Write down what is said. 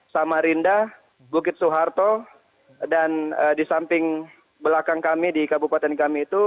samarinda bukit soeharto dan di samping belakang kami di kabupaten kami itu